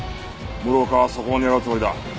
室岡はそこを狙うつもりだ。